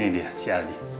ini dia si aldi